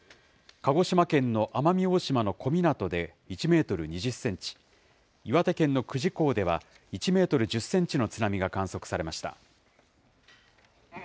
鹿児島県の奄美大島の小湊で１メートル２０センチ、岩手県の久慈港では１メートル１０センチの津波が観測されました。